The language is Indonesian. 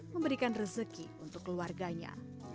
memberikan rezeki untuk keluarganya